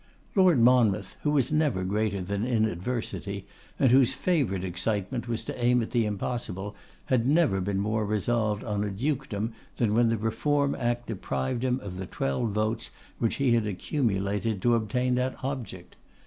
Lord Monmouth, who was never greater than in adversity, and whose favourite excitement was to aim at the impossible, had never been more resolved on a Dukedom than when the Reform Act deprived him of the twelve votes which he had accumulated to attain that object.